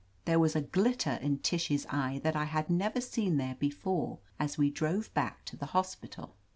There was a glitter in Tish's eye that I had never seen there before, as we drove back to the hospital.